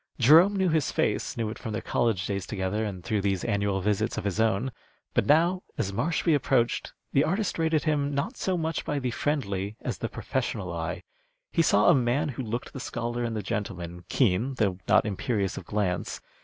Jerome knew his face, knew it from their college days together and through these annual visits of his own; but now, as Marshby approached, the artist rated him not so much by the friendly as the professional eye. He saw a man who looked the scholar and the gentleman, keen though not imperious of glance.